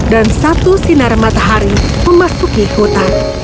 dan satu sinar matahari memasuki hutan